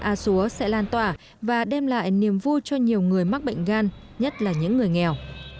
a xúa sẽ lan tỏa và đem lại niềm vui cho nhiều người mắc bệnh gan nhất là những người nghèo